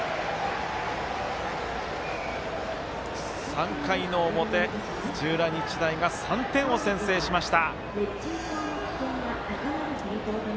３回の表、土浦日大が３点を先制しました。